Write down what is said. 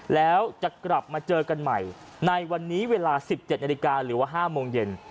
แล้วจะกลับมาเจอกันใหม่ในวันนี้เวลา๑๗นาฬิกาหรือว่า๕โมงเย็น